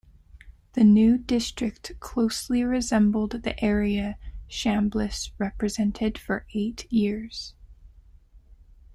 The new district closely resembled the area Chambliss represented for eight years.